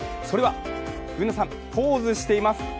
それはＢｏｏｎａさんポーズしています